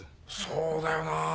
そうだよなあ。